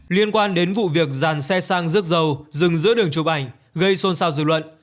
liên quan đến vụ việc dàn xe sang rước dầu dừng giữa đường chụp ảnh gây xôn xao dư luận